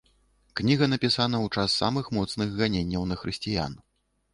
Кніга напісана ў час самых моцных ганенняў на хрысціян.